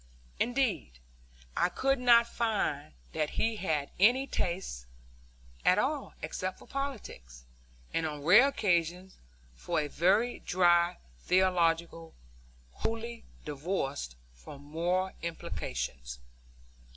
Indeed, I could not find that he had any tastes at all except for politics, and on rare occasions for a very dry theology wholly divorced from moral implications.